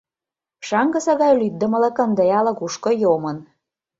Шаҥгысе гай лӱддымылык ынде ала-кушко йомын.